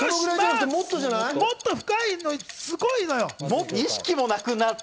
もっと深いの、すごいのよ。